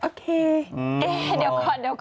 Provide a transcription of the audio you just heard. โอเคเดี๋ยวก่อน